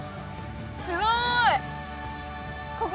すごい！